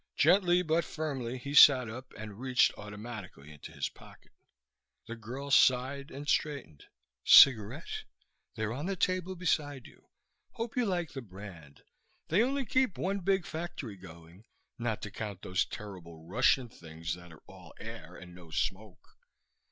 Gently but firmly he sat up and reached automatically into his pocket. The girl sighed and straightened. "Cigarette? They're on the table beside you. Hope you like the brand. They only keep one big factory going, not to count those terrible Russian things that're all air and no smoke."